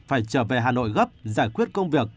phải trở về hà nội gấp giải quyết công việc